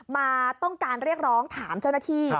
มาต้องการเรียกร้องถามเจ้าหน้าที่